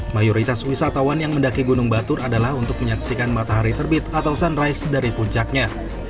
mayoritas wisatawan yang mendaki gunung batur adalah untuk menyaksikan matahari terbit atau sunrise dari puncaknya